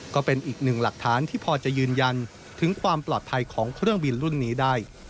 ก็เป็นอีกหนึ่งหลักฐานที่พอจะยืนยันถึงความปลอดภัยของเครื่องบินรุ่นนี้ได้